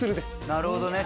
なるほどね。